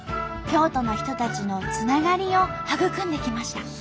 京都の人たちのつながりを育んできました。